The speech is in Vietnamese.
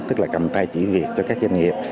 tức là cầm tay chỉ việc cho các doanh nghiệp